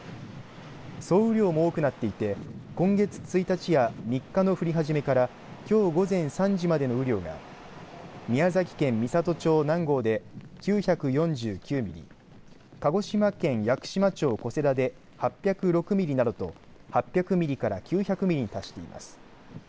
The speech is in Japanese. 総雨量も多くなっていて今月１日や３日の降り始めからきょう午前３時までの雨量が宮崎県美郷町南郷で９４９ミリ鹿児島県屋久島町小瀬田で８０６ミリなどと８００ミリから９００ミリに達しています。